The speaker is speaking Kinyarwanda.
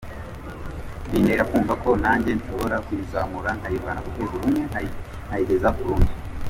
Bintera kumva ko nanjye nshobora kuyizamura nkayivana ku rwego rumwe nkayigeza ku rundi.